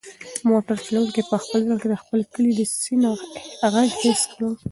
موټر چلونکي په خپل زړه کې د خپل کلي د سیند غږ حس کړ.